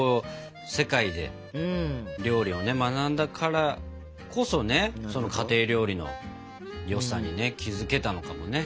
世界で料理を学んだからこそね家庭料理の良さにね気づけたのかもね。